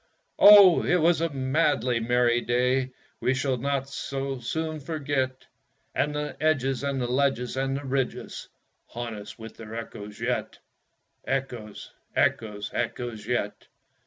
Oh, it was a madly merry day We shall not so soon forget, And the edges and the ledges and the ridges Haunt us with their echoes yet Echoes, echoes, echoes yet!